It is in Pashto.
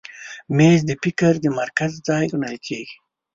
مېز د فکر د مرکز ځای ګڼل کېږي.